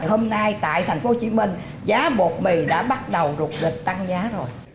hôm nay tại tp hcm giá bột mì đã bắt đầu rụt lịch tăng giá rồi